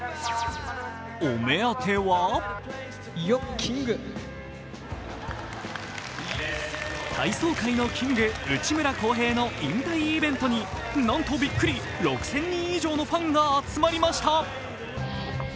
お目当ては体操界のキング・内村航平の引退イベントになんとびっくり６０００人以上のファンが集まりました。